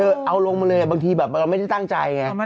เอาลงมาเลยบางทีแบบเราไม่ได้ตั้งใจไง